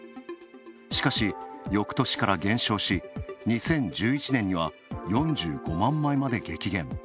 しかし、翌年から減少し２０１１年には４５万枚まで激減。